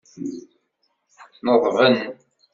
Neḍben.